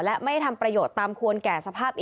และไม่ได้ทำประโยชน์ตามควรแก่สภาพ